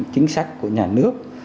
chính sách của nhà nước